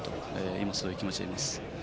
今、そういう気持ちです。